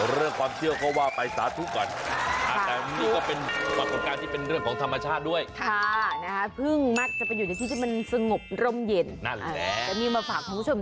รมเย็นจะมีมาฝากผู้ชมเรื่อยค่ะ